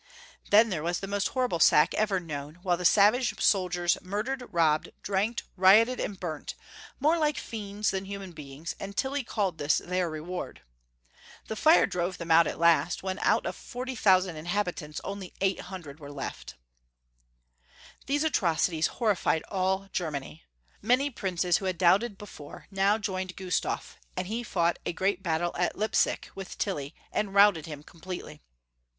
Then there was the most horrible sack ever known, while the savage soldiers murdered, robbed, drank, rioted, and burnt. 344 Young Folks' History of Germany. more like fiends than human beings, and Tilly called this their reward. The fire drove them out at last, when out of 40,000 inhabitants only 800 were left. These atrocities horrified all Germany. Many princes who had doubted before now joined Gustaf, and he fought a great battle at Leipsic with Tilly, and routed him completely.